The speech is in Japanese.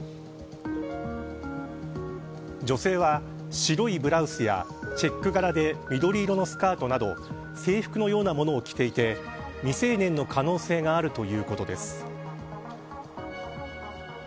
女性は白いブラウスやチェック柄で緑色のスカートなど制服のようなものを着ていて未成年の可能性があるということです。